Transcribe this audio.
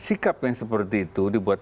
sikap yang seperti itu dibuat